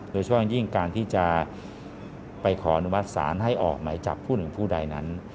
โดยเฉพาะอย่างยิ่งการที่จะไปขออนุมัติศาลให้ออกหมายจับผู้หนึ่งผู้ใดนั้น